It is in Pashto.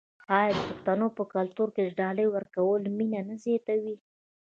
آیا د پښتنو په کلتور کې د ډالۍ ورکول مینه نه زیاتوي؟